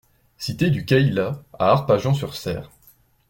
Cité du Cayla à Arpajon-sur-Cère